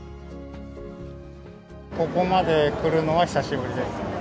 ここまで来るのは久しぶりですね。